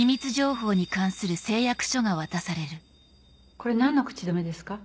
これ何の口止めですか？